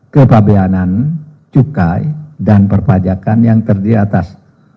kepabeanan cukai dan perpajakan yang terdiri atas